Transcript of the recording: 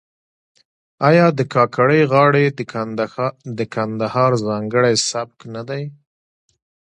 آیا د کاکړۍ غاړې د کندهار ځانګړی سبک نه دی؟